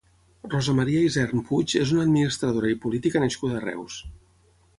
Rosa Maria Isern Puig és una administradora i política nascuda a Reus.